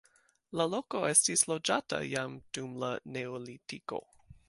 La loko estis loĝata jam dum la neolitiko.